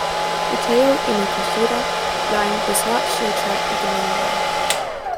The Keio Inokashira Line does not share track with the Main Line.